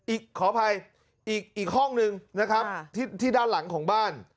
ขออภัยอีกห้องหนึ่งนะครับที่ด้านหลังของบ้าน